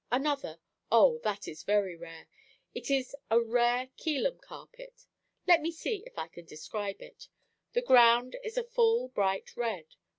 Another, O, that is very rare; it is a rare Keelum carpet; let me see if I can describe it. The ground is a full bright red.